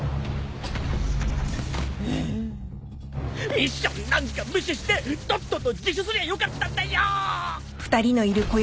ミッションなんか無視してとっとと自首すりゃよかったんだよ！